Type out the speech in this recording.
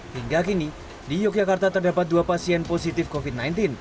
hingga kini di yogyakarta terdapat dua pasien positif covid sembilan belas